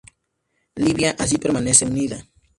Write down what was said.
Libia así permanece unida.